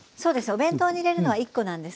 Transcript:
お弁当に入れるのは１コなんですけれども。